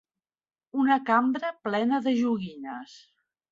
Una cambra plena de joguines.